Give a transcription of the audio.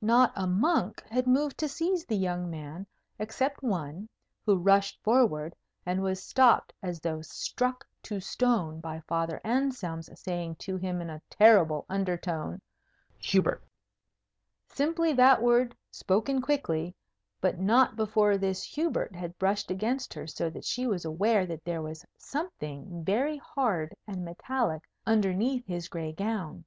Not a monk had moved to seize the young man, except one, who rushed forward, and was stopped, as though struck to stone, by Father Anselm's saying to him in a terrible undertone, "Hubert!" Simply that word, spoken quickly; but not before this Hubert had brushed against her so that she was aware that there was something very hard and metallic underneath his gray gown.